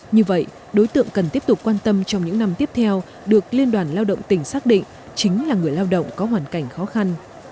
như vậy đối tượng cần tiếp tục quan tâm trong những năm tiếp theo được liên đoàn lao động tỉnh xác định chính là người lao động có hoàn cảnh khó khăn